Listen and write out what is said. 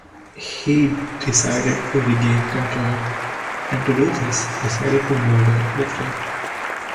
He decided to regain control and to do this decided to murder the three.